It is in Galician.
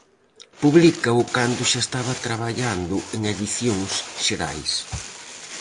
Publícao cando xa estaba traballando en edicións Xerais.